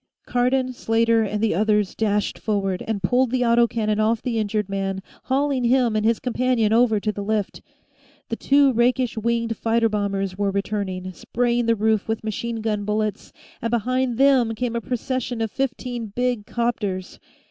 Cardon, Slater, and the others dashed forward and pulled the auto cannon off the injured man, hauling him and his companion over to the lift. The two rakish winged fighter bombers were returning, spraying the roof with machine gun bullets, and behind them came a procession of fifteen big 'copters.